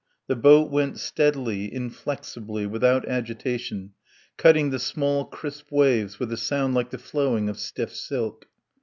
The boat went steadily, inflexibly, without agitation, cutting the small, crisp waves with a sound like the flowing of stiff silk.